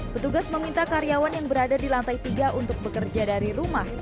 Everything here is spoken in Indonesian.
petugas meminta karyawan yang berada di lantai tiga untuk bekerja dari rumah